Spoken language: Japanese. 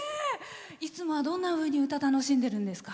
いつもはどんなふうに歌を楽しんでるんですか？